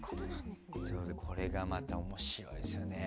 これがまた面白いんですよね。